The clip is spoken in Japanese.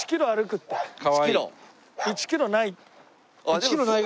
１キロない。